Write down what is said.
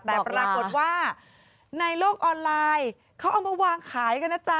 แต่ปรากฏว่าในโลกออนไลน์เขาเอามาวางขายกันนะจ๊